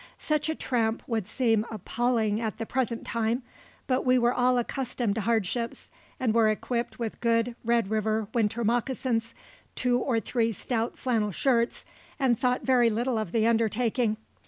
Such a tramp would seem appalling at the present time, but we were all accustomed to hardships, and were equipped with good Red River winter moccasins, two or three stout flannel shirts, and thought very little of the undertaking.